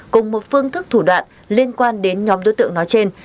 cùng một phương thức thủ đoạn liên quan đến nhóm đối tượng nói trên